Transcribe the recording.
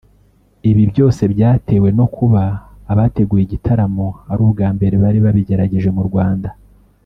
Ibi byose byatewe no kuba abateguye igitaramo ari ubwa mbere bari babigerageje mu Rwanda